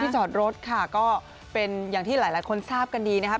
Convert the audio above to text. จอดรถค่ะก็เป็นอย่างที่หลายคนทราบกันดีนะครับ